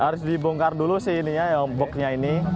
harus dibongkar dulu sih ini ya boknya ini